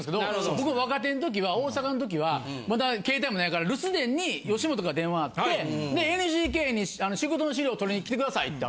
僕も若手の時は大阪の時はまだ携帯もないから留守電に吉本から電話あってＮＧＫに仕事の資料取りに来て下さいって。